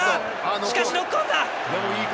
しかし、ノックオンだ！